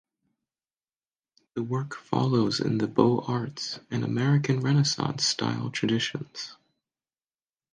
The work follows in the Beaux Arts and American Renaissance style traditions.